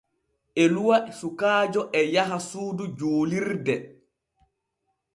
Eluwa sukaajo e yaha suudu juulirde.